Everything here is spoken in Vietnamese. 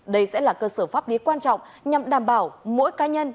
đây sẽ là cơ sở pháp lý quan trọng nhằm đảm bảo mỗi cá nhân